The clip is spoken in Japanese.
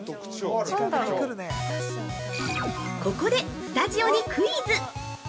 ◆ここで、スタジオにクイズ！